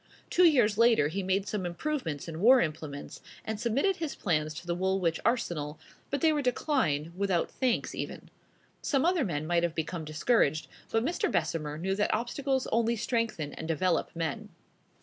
Two years later he made some improvements in war implements, and submitted his plans to the Woolwich Arsenal; but they were declined, without thanks even. Some other men might have become discouraged; but Mr. Bessemer knew that obstacles only strengthen and develop men.